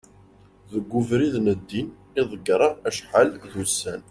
deg ubrid n ddin i ḍegreɣ acḥal d ussan